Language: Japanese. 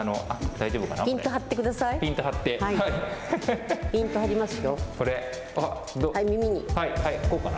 大丈夫かな？